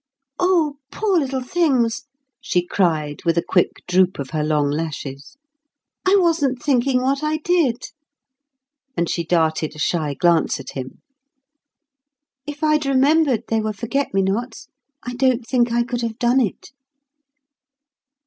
"Oh, poor little things!" she cried, with a quick droop of her long lashes. "I wasn't thinking what I did." And she darted a shy glance at him. "If I'd remembered they were forget me nots, I don't think I could have done it."